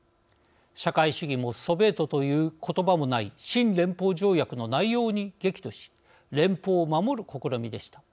社会主義もソビエトという言葉もない新連邦条約の内容に激怒し連邦を守る試みでした。